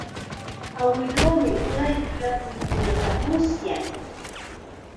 Awiluumi unay willakuykunata musyan.